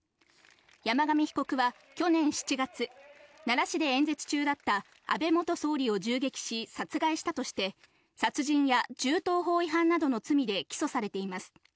山上被告は去年７月、奈良市で演説中だった安倍元総理を銃撃し殺害したとして、殺人や銃刀法違反などの罪で起訴されています。